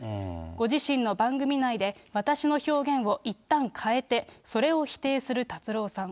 ご自身の番組内で、私の表現をいったん変えてそれを否定する達郎さん。